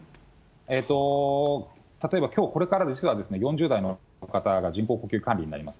例えばきょうこれから、実は４０代の方が人工呼吸管理になります。